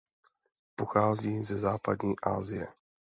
Pochází ze západní Asie.